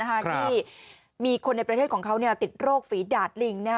ที่มีคนในประเทศของเขาติดโรคฝีดาดลิง